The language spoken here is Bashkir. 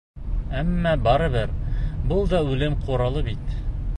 Әммә барыбер был да үлем ҡоралы бит.